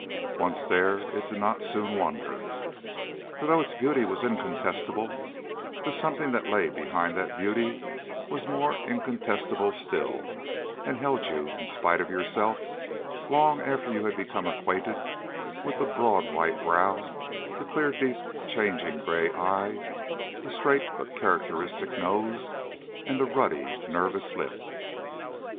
Once there, it did not soon wander; for though its beauty was incontestable, the something that lay behind that beauty was more incontestable still, and held you, in spite of yourself, long after you had become acquainted with the broad white brow, the clear, deep, changing gray eye, the straight but characteristic nose, and the ruddy, nervous lip.